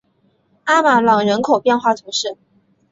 阿马朗人口变化图示